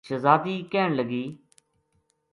شہزادی کہن لگی